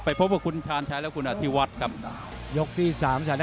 ไปพบกับคุณชาญชายและคุณอธิวัตด์